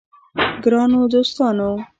ګرانو دوستانو!